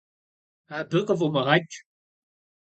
Абы къыфӀумыгъэкӀ.